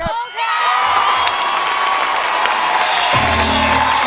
ร้อง